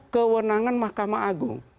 kewenangan mahkamah agung